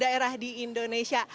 daerah di indonesia